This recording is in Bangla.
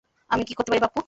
আমি কী করতে পারি পাপ্পু?